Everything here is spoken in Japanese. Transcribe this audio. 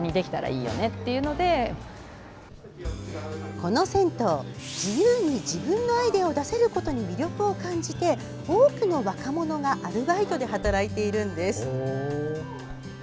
この銭湯自由に自分のアイデアを出せることに魅力を感じて多くの若者がアルバイトで働いているんです。